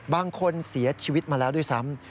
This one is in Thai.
บางคนเสียชีวิตมาแล้วด้วยซ้ำ